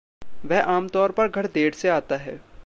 वह आमतौर पर घर देर से आता है।